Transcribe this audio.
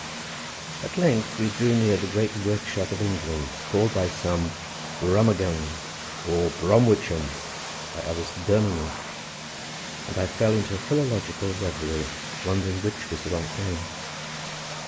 At length we drew near the great workshop of England, called by some Brummagem or Bromwicham, by others Birmingham, and I fell into a philological reverie, wondering which was the right name.